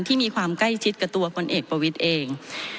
มีความใกล้ชิดกับตัวพลเอกประวิทย์เอง